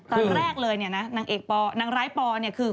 ตอนแรกเลยนางรายปลอคือ